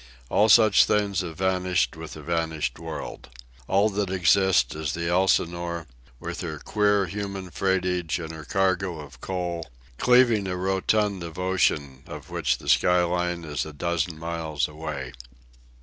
All such things have vanished with the vanished world. All that exists is the Elsinore, with her queer human freightage and her cargo of coal, cleaving a rotund of ocean of which the skyline is a dozen miles away.